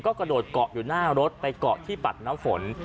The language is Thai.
กระโดดเกาะอยู่หน้ารถไปเกาะที่ปัดน้ำฝน